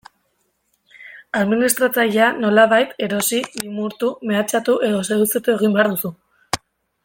Administratzailea nolabait erosi, limurtu, mehatxatu edo seduzitu egin behar duzu.